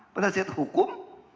pada saat hukum